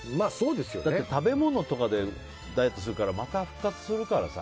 食べ物とかでダイエットするからまた復活するからさ。